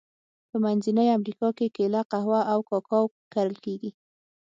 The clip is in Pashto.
په منځنۍ امریکا کې کېله، قهوه او کاکاو کرل کیږي.